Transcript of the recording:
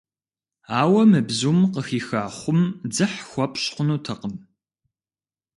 Ауэ мы бзум къыхиха хъум дзыхь хуэпщӀ хъунутэкъым.